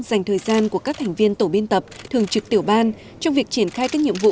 dành thời gian của các thành viên tổ biên tập thường trực tiểu ban trong việc triển khai các nhiệm vụ